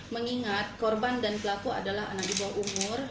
mengingat korban dan pelaku adalah anak di bawah umur